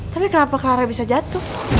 tapi kenapa clara bisa jatuh